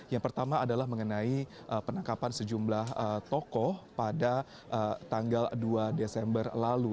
yang pertama adalah mengenai penangkapan sejumlah tokoh pada tanggal dua desember lalu